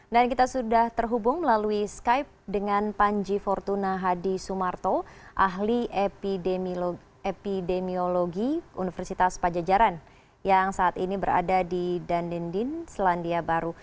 dan kita sudah terhubung melalui skype dengan panji fortuna hadi sumarto ahli epidemiologi universitas pajajaran yang saat ini berada di dandendin selandia baru